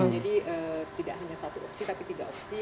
jadi tidak hanya satu opsi tapi tiga opsi